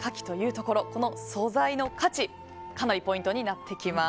この素材の価値かなりポイントになってきます。